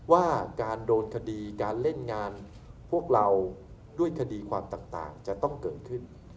ว่าการโดนคดีการเล่นงานพวกเราด้วยคดีความต่างจะต้องเกิดขึ้น